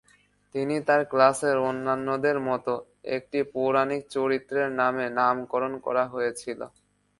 তিনি তার ক্লাসের অন্যান্যদের মত, একটি পৌরাণিক চরিত্রের নামে নামকরণ করা হয়েছিল।